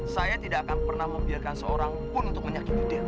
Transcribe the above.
saya tidak akan pernah membiarkan seorang pun untuk menyakiti diri